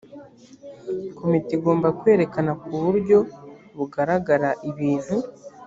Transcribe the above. komite igomba kwerekana ku buryo bugaragara ibintu